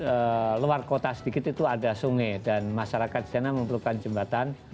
di luar kota sedikit itu ada sungai dan masyarakat di sana memerlukan jembatan